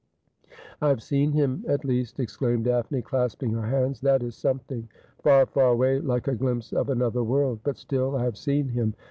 ' I have seen him, at least,' exclaimed Daphne, clasping her hands ;' that is something. Far, far away, like a glimpse of another world : but still I have seen him.